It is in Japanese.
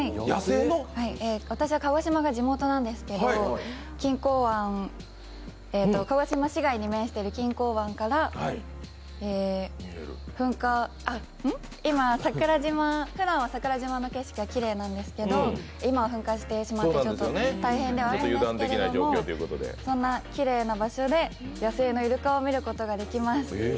私は鹿児島が地元なんですけど鹿児島市街に面している錦江湾からふだんは桜島の景色がきれいなんですけど、今は噴火してしまってちょっと大変ではあるんですけれども、そんなきれいな場所で野生のいるかを見ることができます。